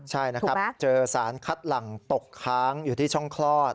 ใช่นะครับเจอสารคัดหลังตกค้างอยู่ที่ช่องคลอด